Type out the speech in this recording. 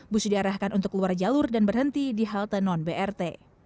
bus diarahkan untuk keluar jalur dan berhenti di halte non brt